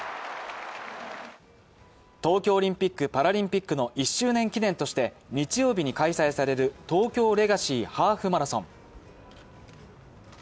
東京オリンピック・パラリンピックの１周年記念として日曜日に開催される東京レガシーハーフマラソン。